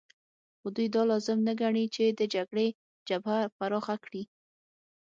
خو دوی دا لازم نه ګڼي چې د جګړې جبهه پراخه کړي